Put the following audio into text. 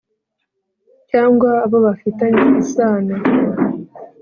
cyangwa abo bafitanye isano